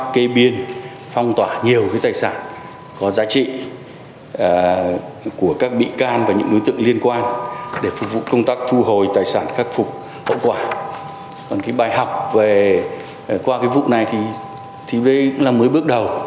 còn cái bài học qua cái vụ này thì đây là mới bước đầu